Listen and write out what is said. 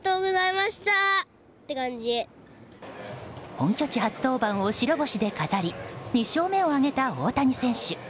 本拠地初登板を白星で飾り２勝目を挙げた大谷選手。